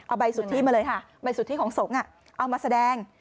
เอาใบสุทธิมาเลยค่ะใบสุทธิของสงฆ์เอามาแสดง